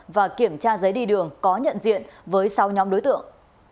và kiểm tra giấy đi đường có nhận diện với sáu nhóm đối tượng